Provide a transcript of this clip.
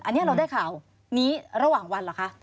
อันนี้เราได้ข่าวนี้ระหว่างวันเหรอคะ